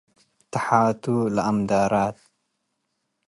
ተሓቱ ለአምዳራት